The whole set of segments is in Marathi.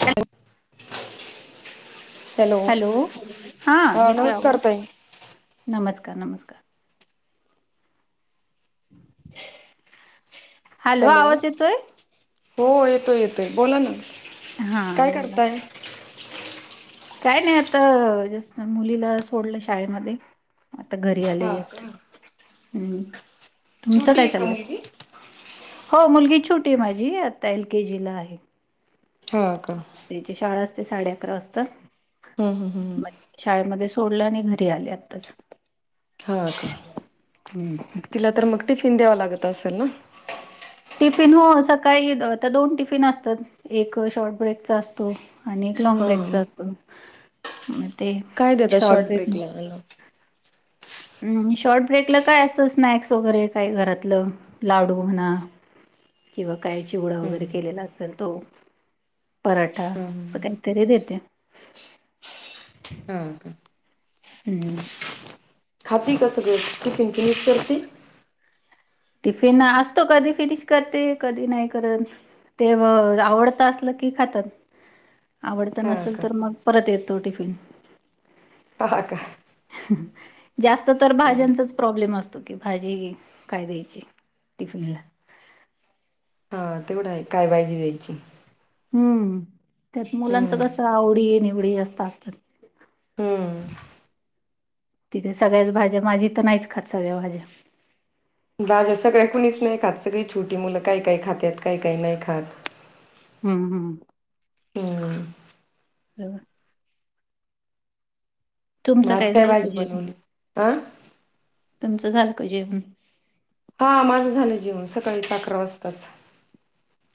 हो. हॅलो हा येतोय नमस्कार आवाज तई. नमस्कार नमस्कार. [inaudible] हॅलो आवाज येतोय हो येतोय येतोय बोला ना हा काय बोला. करताय काय नाही आतास मुलीला सोडलं शाळेमध्ये. आता घरी आले जास्त हम् तुमचं छोटी काय आहे का चाललंय. मुलगी हो मुलगी छोटी आहे माझी आता एल के जीला आहे. का त्यांची शाळा असते साडे अकरा वाजता हम् हम हम मग ह शाळेमध्ये सोडलं आणि घरी आले आताच. हा का हम्म. तिला तर मग टिफिन द्यावा लागत असेल ना. टिफिन हो सकाळी आता दोन टिफिन असतात एक शॉर्ट ब्रेकचा असत. आणि एक लॉंग हा ब्रेकचा असतो म ते काय देता शॉर्ट ब्रेक [inaudible] हम्म शॉर्ट ब्रेकला काय असं स्नॅक्स वगैरे काय घरातलं लाडू म्हणा किंवा काय चिवडा वगैरे हम्म केलेला असेल तो. पराठा हम्म असं हम्म काहीतरी देते. हा. हम्म खाती कसं टिफिन फिनिश करती? टिफिन असतो कधी फिनिश करते, कधी नाही करत. ते व आवडत असल की खातात. आवडत हा नसेल का तर मग परत येतो टिफिन. हा का? जास्त तर भाज्यांचाच प्रॉब्लेम असतो की भाजी काय देई ची टिफिनला ह तेवढं काय भाजी द्यायची? हम्म त्यात हम्म मुलांचं कस आवडी निवडी जास्त असतात. हम्म. तिकडे सगळ्याच भाज्या माझी तर नाहीच खात सगळ्या भाज्या बाज असं काही कुणीच नाही खात सगळी छोटी मुलं काय काय खातात काय काही नाही खात हम्म हम् हम्म हो. तुमचं माज काय झालं का भाजू जेवण? बनवणे हं. तुमचं झालं का जेव हा माझं झालं जीवन सकाळीच अकरा वाजताच.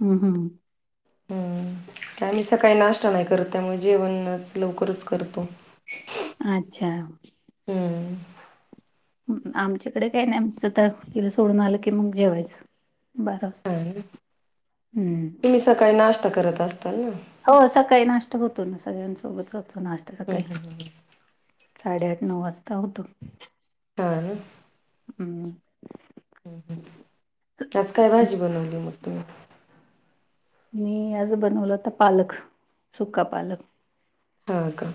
हम्म हम्म हम्म आम्ही सकाळी नाश्ता नाही करत त्यामुळे जेवणच लवकरच करतो. अच्छा. हम्म आमच्याकडे काही नाही आमचं तर तिला सोडून आलं की मग जेवायचं. बारा वाजता. हम्म. तुम्ही सकाळी नाश्ता करत असताल ना? हो सकाळी नाष्टा होतो ना सगळ्यांसोबत होतो नाष्टा हम्म सकाळी. हम्म हम्म साडेआठ नऊ वाजता होतो. हा न हम्म आज काय भाजी बनवली मग तुम्ही? मी आज बनवलं होत पालक सुका पालक. हा का.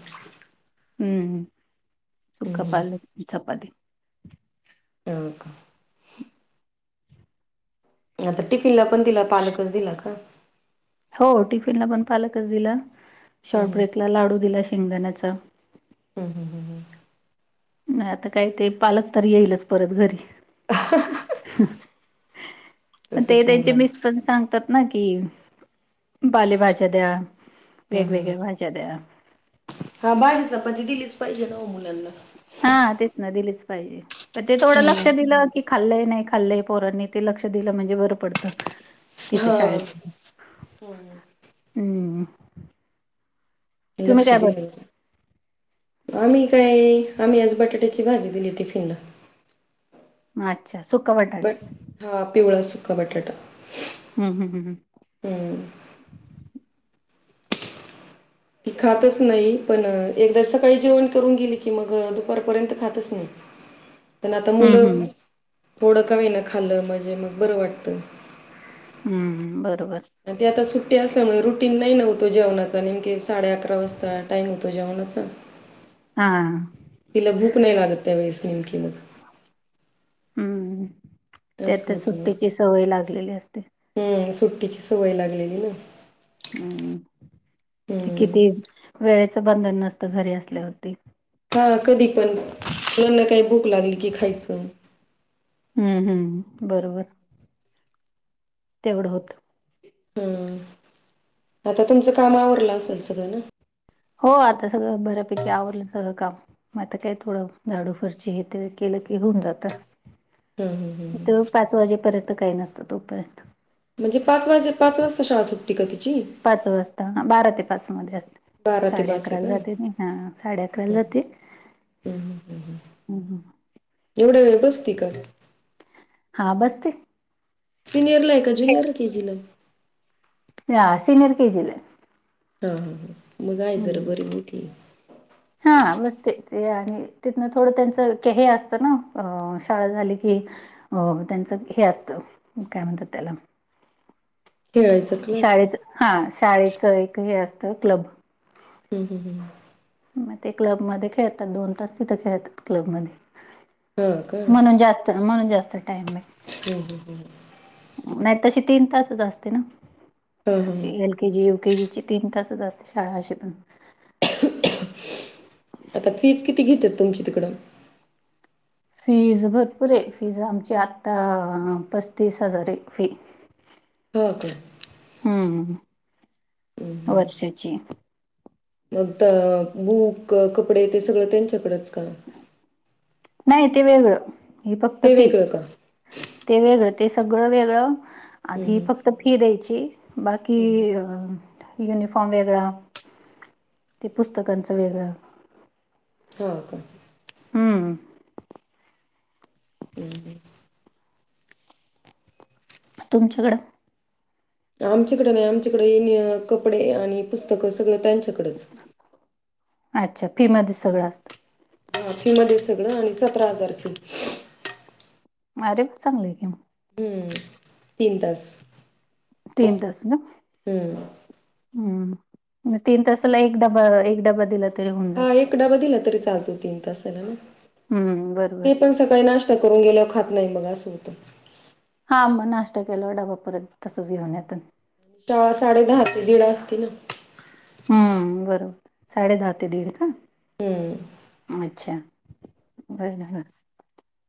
हम्म हम्म हम्म सुकाापाले चपाती. हो का? आता टिफिनला पण दिला पालकच दिला का? हो टिफिनला पण पालकच दिला हम्म शॉर्ट हम्म ब्रेकला लाडू दिला शेंगदाण्याचा. हम्म हम्म हम्म. नाही आता काय ते पालक तर येईलच परत घरी. ते तसच आहे त्यांचे मुलांच मिस पण सांगतात. न कि पालेभाज्या द्या हम्म हम्म हम्म वेगवेगळ्या भाज्या द्या. हा भाजी चपाती दिलीच पाहिजे ना ओ मुलांना. हा तेच ना दिलेच पाहिजे प ते थोडं लक्ष हम्म दिलं की खाल्लंय नाही खाल्लंय पोरांनी ते लक्ष दिलं म्हणजे बरं पडतं. तिथे हा शाळेत. हम्म तुम्ही लक्ष काय दिलेलं. बनवलं? आम्ही काय आम्ही आज बटाट्याची भाजी दिली टिफिनला. अच्छा सुका बट बटाटा. हा, पिवळा सुका बटाटा. हम, हम, हम हम हम्. ती खातच नाही पण, एकदा सकाळी जेवण करून गेली की मग दुपारपर्यंत खातच नाही. पण आता हम्म मुलं, हम्म थोड का वण खाल्ल म्हणजे मग बरं वाटतं. हम्म, बरोबर. आणि ते आता सुट्टी असल्यामुळे रुटीन नाही ना तो जेवणाचा, नेमके साडे अकरा वाजता टाइम होतो जेवणाचा. [inaudible] हा. तिला भूक नाही लागत त्या वेळेस नेमकी मग हम्म, त्यात असं होतं मग सुट्टीची सवय लागलेली असते. हम्म, सुट्टीची सवय लागलेली ना. हम्म, ते हम्म किती वेळेचं बंधन नसत घरी असल्यावरती. हा कधी पण, मुलाना काही भूक लागल की खायचं. हम्म, हम्म बरोबर तेवढं होतं. ह आता तुमचं काम आवरलं असेल सगळं न? हो आता सगळं बऱ्यापैकी आवरलं सगळं काम. म आता काय थोडं झाडू फरशी हे ते केलं की होऊन जात. हम्म, हम्म, हम्म वाजेपर्यंत काही नसतं तोपर्यंत. म्हणजे, पाच वाजे पाच वाजता शाळा सुट्टती का तिची? पाच वाजता, बारा ते पाचमध्ये असत. बारा ते साडे पाच आहे अकराला का जाते, हम्म म हा साडे अकराला जाते. हम्म हम्म हम्म हम, ह एवढ्या वेळ बसते का? हा, बस ते. सिनियरला आहे का जुनियरला केजीला? या सीनिर के जीला. हा, हा, ह मगाय जरा बर मोतीठी हा बसते, ते आणि तिथनं थोडं त्यांचं हे असतं ना शाळा झाली की हो त्यांचं हे असतं, काय म्हणतात त्याला खेळायचा क्लास शाळेच हा, शाळेच एक हे असतं क्लब हम, हम, हम मग ते क्लबमध्ये खेळतात, दोन तास तिथं खेळतात क्लब मध्ये. हा का म्हणून जास्त, म्हणून जास्त टाईम हो, हो, हो नाही तशी तीन तासच असते ना. हां हां हां के जी यु केजीची तीन तास असते, शाळा अशी पण आता फीज किती घेत तुमची तिकडं? फीज भरपूर आहे, फीज आमची आत्ता पस्तीस हजार आहे फी. हो काय. हम्म, हम्म हम्म वर्षाचे मग, बुक कपडे ते सगळं त्यांच्याकडेच का? नाही ते वेगळं, हे फक्त ते फी. वेगळं का? ते वेगळं, ते सगळं वेगळं हं आधी हं फक्त फी द्यायची बाकी, हं युनिफॉर्म वेगळा ते पुस्तकांचं वेगळं हो का हं. हम् तुमच्याकडं आमच्याकडे नाही आमच्याकडे येन कपडे आणि पुस्तकं सगळं त्यांच्याकडेच अच्छा फी मध्ये हं सगळं असतं हा फी मध्ये सगळं आणि सतरा हजार फी अरे प चांगली आहे क हं तीन तास तीन तास ना हम्म हम्म तीन तासाला एक डबा एक डबा दिला तरी होऊन जात तकडा बधला तरी चालतो तीन तास झाला ना हम्म ते बरोबर पण सकाळी नाष्टत करून गेल्या खात नाही मग असं होतं हां मग नाश्ता केला डाबा परत तसच घेऊन याेत चळा साडे दहा ते दीडा असतील ना हम्म बरोबर साडे दहा ते दीड हा हं अच्छा बयन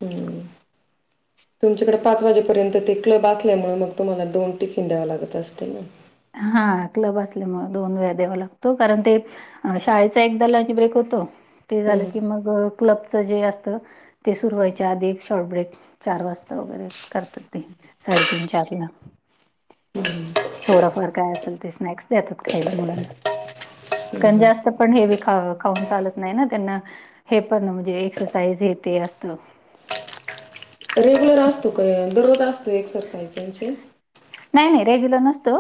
हम् तुमच्याकडे पाच वाजेपर्यंत ते क्लब असल्यामुळे मग तुम्हाला दोन टिफिन द्याव लागत असते ना हा क्लब असल्यामु दोन वेळा द्यावा लागतो कारण ते अ शाळेचा एकदा ल ब्रेक होतो ते हं झालं की मग क्लबचं जे असत ते सुरू व्हायच्या आधी एक शॉर्ट ब्रेक चार वाजता वगैरे करतात ते साडेतीीन चार किला थोडाफार काय असेल ते स्नॅक्स देतात खायला मुलांना हं कारण हं जास्त पण हेवी ख खाऊन चालत नाही ना त्यांना हे पण म्हणजे एक्सरसाइज हे ते असतं रेग्युलर असतो का दररोज असतो एक्सरसाइजची नाही नाही रेग्युलर नसतो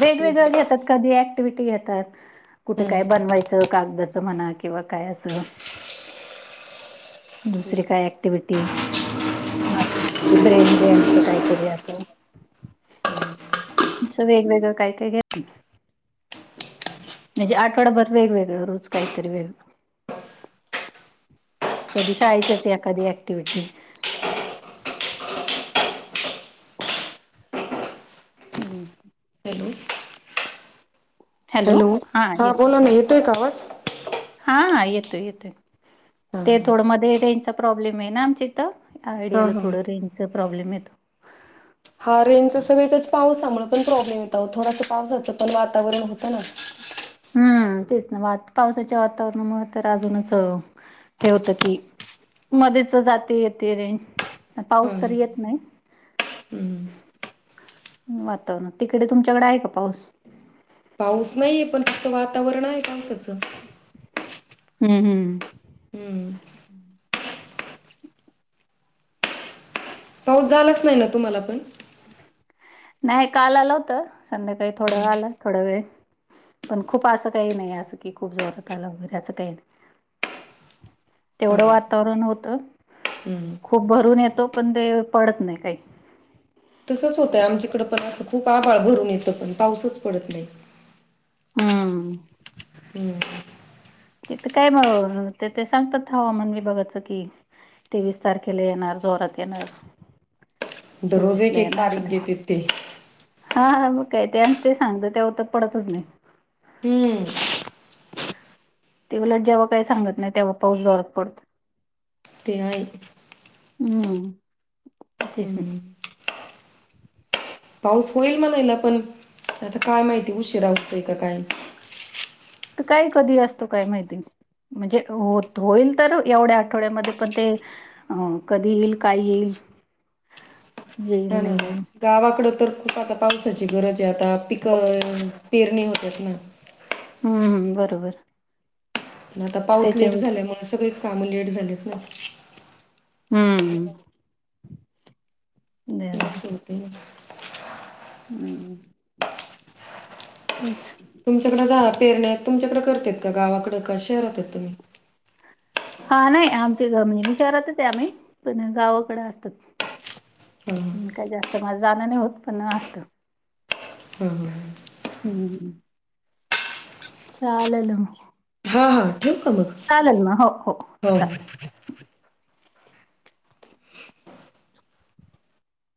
वेगवेगळ घेतात कधी ऍक्टिव्हटी घेतात कुठे काय हम्म बनवायचं कागदाचं म्हणा किंवा काय असं दुसरी काय ॲक्टिविटी ब्रेन गेमच काहीतरी असं त वेगवेगळं काय काय घ म्हणजे आठवडाभर वेगवेगं रोज काहीतरी वेगळं कधी शाळेच या कधी ऍक्टिव्हटी हम् हॅलो हॅलो हा बोला ना येतोय का आवाज हा हा येतोय येतोय हा ते हा थोडं मध्ये रेंजचा प्रॉब्लेम आहे ना आमच्या इथं या हा आयडियाला हा थोडं रेंजचचा प्रॉब्लेम येतो हा रेनच सगळं एकच पावसामुळे पण प्रॉब्लेम येत थोडस पावसाचं पण वातावरण होतं ना हम्म तेच ना वा पावसाच्या वातावरणामुळे तर अजूनच हे होतं की मध्येच जाते येते रेंज हा हा पाऊस तर येत नाही हम्म वातावरण तिकडे तुमच्याकडे आहे का पाऊस पाऊस नाहीये पण फक्त वातावरण आहे पावसाचं हम्म हम् हम्म पाऊस झालाच नाही ना तुम्हाला पण नाही काल आलं होतं संध्याकाळी थोडं आला थोड वेळ पण खूप असं काही नाही असं की खूप जोरात आलं वैरे असं काही नाही हा तेवढं वातावरण होतं. हम्म खूप भरून येतो पण ते पडत नाही काही. तसंच होतंय आमच्याकडं पण असं खूप आभाळ भरून येतं पण पाऊसच पडत नाही. हम्म. हम्म. तिथं काय ते ते सांगतात हवामान विभागाचं कि तेवीस तारखेला येणार जोरात येणार. दररोज चोवीस एक ला एक ना आपण तारीख देतेत ते हा हा मग काय त्या ते सांगत त्या हो तर पडतच नाही. तीन तेवलट जेव्हा काही सांगत नाही तेव्हा पाऊस जरत पडतो. तेय. हम्. हम्म. पाऊस होईल मणाला पण आता काय माहिती उशीिरा होतोय का काय. तर काय कधी असतो काय माहिती. म्हणजे होत होईल तर एवढ्या आठवड्यामध्ये पण ते अ कधी येईल काय येईल. येईल ह ना नाही येईल गावाकड तर खूप आता पावसाची गरज आहे आता पिकं पेरणी होतात ना हम्मम् बरोबर. आता पाऊस लेट त्याच्यावर झालाय म सगळीच काम लेट झालेत ना हम्म हम् बस होते. हम्म कच तुमच्याकडे जा पेरणे तुमच्याकडे करत का गावाकडडे का शहरात आहेत तुम्ही हा नाही आमचे ग म्हणजे मी शहरातच आहे आम्ही पण गावाकडे असतात. ह. काही जास्त मझ जाण नाही होत पण असतं. हो हम् लेल हां हां ठेवू का मग चालेल म हो हो चालेल